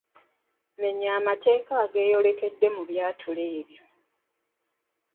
Menya amateeka ageeyolekedde mu byatulo ebyo.